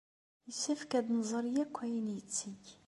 Yessefk ad nẓer akk ayen yetteg.